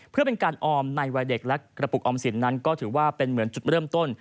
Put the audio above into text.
เพื่อเป็นการออมในวัยเด็กและกระปุกออมสินนั้นก็ถือว่าเป็นเหมือนจุดเริ่มต้น